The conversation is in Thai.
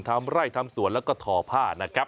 ทำไร่ทำสวนแล้วก็ทอผ้านะครับ